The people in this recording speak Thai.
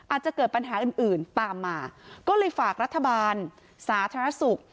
อาจจะเกิดปัญหาอื่นอื่นตามมาก็เลยฝากรัฐบาลสาธารณสุข